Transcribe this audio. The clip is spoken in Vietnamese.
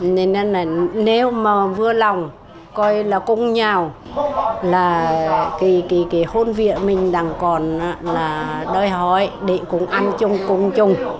nên là nếu mà vừa lòng coi là cúng nhau là cái hôn vệ mình đang còn là đòi hỏi để cùng ăn chung cúng chung